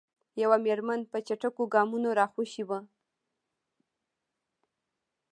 یوه میرمن په چټکو ګامونو راخوشې وه.